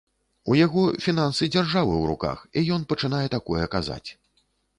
У яго фінансы дзяржавы ў руках і ён пачынае такое казаць.